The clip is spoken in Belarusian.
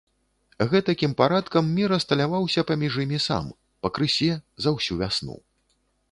Гэтакім парадкам мір асталяваўся паміж імі сам, пакрысе, за ўсю вясну.